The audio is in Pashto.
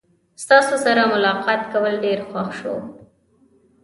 ستاسو سره ملاقات کول ډیر خوښ شو.